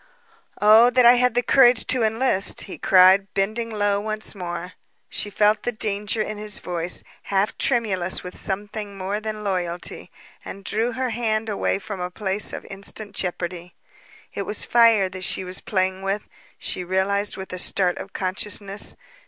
"Oh, that I had the courage to enlist," he cried, bending low once more. She felt the danger in his voice, half tremulous with some thing more than loyalty, and drew her hand away from a place of instant jeopardy. It was fire that she was playing with, she realized with a start of consciousness.